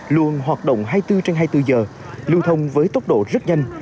luôn hoạt động hai mươi bốn trên hai mươi bốn giờ lưu thông với tốc độ rất nhanh